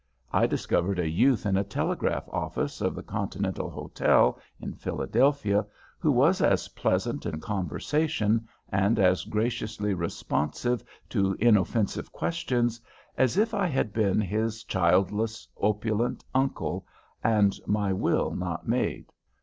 I discovered a youth in a telegraph office of the Continental Hotel, in Philadelphia, who was as pleasant in conversation, and as graciously responsive to inoffensive questions, as if I had been his childless opulent uncle and my will not made.